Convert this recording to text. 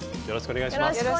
よろしくお願いします。